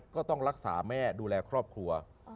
ก็ต้องรักษาแม่ดูแลครอบครัว